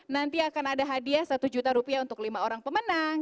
nanti akan ada hadiah satu juta rupiah untuk lima orang pemenang